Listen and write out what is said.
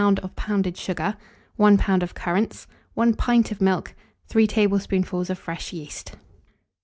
of pounded sugar, 1 lb. of currants, 1 pint of milk, 3 tablespoonfuls of fresh yeast.